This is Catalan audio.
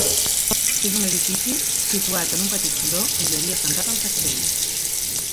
És un edifici situat en un petit turó on hi havia assentat el castell.